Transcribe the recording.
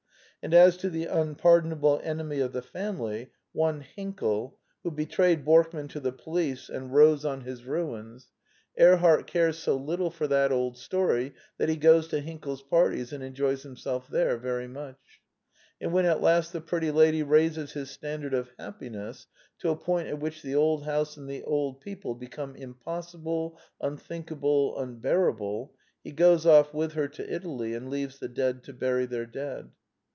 And as to the un pardonable enemy of the family, one Hinkel, who betrayed Borkman to the police and rose on his 1 66 The Quintessence of Ibsenism ruins, Erhart cares so little for that old story that he goes to Hinkel's parties and enjoys himself there very much. And when at last the pretty lady raises his standard of happiness to a point at which the old house and the old people become impossible, unthinkable, unbearable, he goes off with her to Italy and leaves the dead to bury their dead.